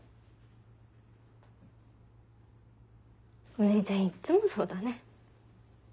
お姉ちゃんいっつもそうだね。